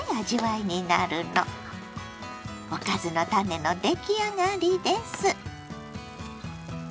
おかずのタネの出来上がりです。